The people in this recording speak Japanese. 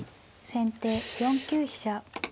先手４九飛車。